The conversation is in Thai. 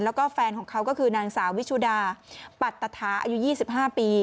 แล้วก็แฟนของเขาก็คือนางสาววิชุดาปัตตฐาอายุ๒๕ปี